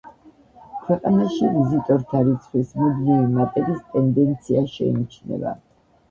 ქვეყანაში ვიზიტორთა რიცხვის მუდმივი მატების ტენდენცია შეიმჩნევა.